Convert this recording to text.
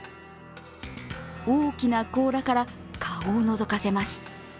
大きな甲羅から顔をのぞかせます。